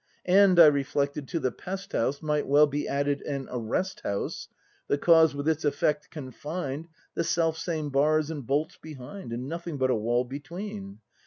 And, I reflected, to the Pest house Might well be added an Arrest house, The cause with its effect confined The selfsame bars and bolts behind, And nothing but a wall between.